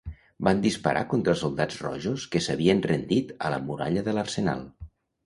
Van disparar contra els soldats rojos que s'havien rendit a la muralla de l'Arsenal.